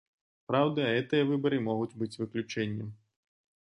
Праўда, гэтыя выбары могуць быць выключэннем.